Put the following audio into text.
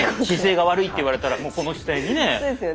姿勢が悪いって言われたらもうこの姿勢にね。